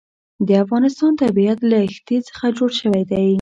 د افغانستان طبیعت له ښتې څخه جوړ شوی دی.